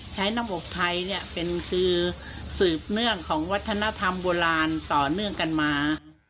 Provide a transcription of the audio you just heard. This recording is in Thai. น้ำอกไทยเนี่ยเป็นคือสืบเนื่องของวัฒนธรรมโบราณต่อเนื่องกันมา